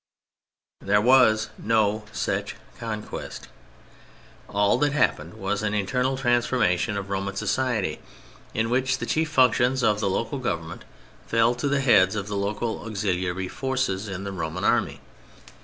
There was no such conquest. All that happened was an internal transformation of Roman society, in which the chief functions of local government fell to the heads of local auxiliary forces in the Roman Army.